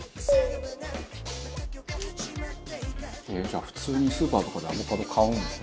じゃあ普通にスーパーとかでアボカド買うんですね